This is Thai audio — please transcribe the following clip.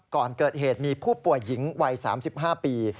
ก่อนเกิดเหตุมีผู้ป่วยหญิงวัย๓๕ปี